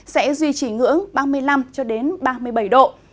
sẽ duy trì ngưỡng ba mươi năm ba mươi bảy độ